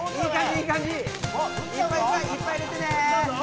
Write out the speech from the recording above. いっぱい入れてね！